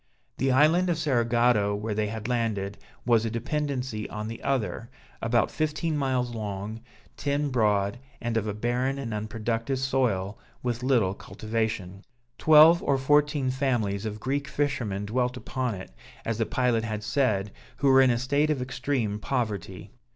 The island of Cerigotto, where they had landed, was a dependency on the other, about fifteen miles long, ten broad, and of a barren and unproductive soil, with little cultivation. Twelve or fourteen families of Greek fishermen dwelt upon it, as the pilot had said, who were in a state of extreme poverty.